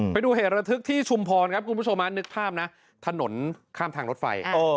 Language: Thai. ไปดูเหตุระทึกที่ชุมพรครับคุณผู้ชมนึกภาพนะถนนข้ามทางรถไฟ